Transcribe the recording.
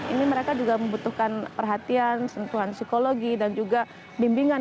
ini mereka juga membutuhkan perhatian sentuhan psikologi dan juga bimbingan